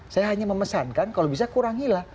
saya hanya memesankan kalau bisa kurangilah